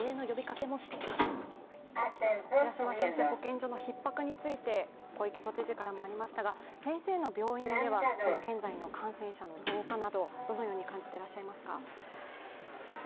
保健所のひっ迫について、小池都知事からもありましたが、先生の病院では現在の感染者の増加など、どのように感じてらっしゃいますか？